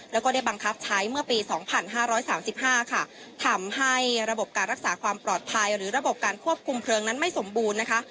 แล้วก็ได้บังคับใช้เมื่อปี๒๕๓๕ค่ะทำให้ระบบการรักษาความปลอดภัยหรือระบบการควบคุมเพลิงนั้นไม่สมบูรณ์นะคะ